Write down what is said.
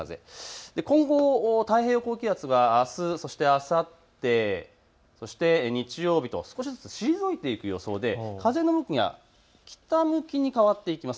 今後、太平洋高気圧があすそしてあさって、そして日曜日と少しずつ退いていく予想で風の向きが北向きに変わっていきます。